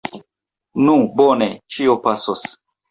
Nu, bone, ĉio pasos!